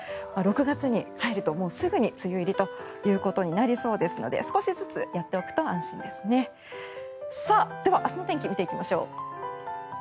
６月に入るとすぐに梅雨入りということになりそうですので少しずつやっておくと安心ですね明日の天気見ていきましょう。